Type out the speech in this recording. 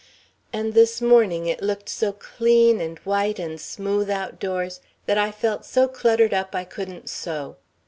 And this morning it looked so clean and white and smooth outdoors that I felt so cluttered up I couldn't sew.